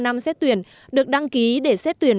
năm xét tuyển được đăng ký để xét tuyển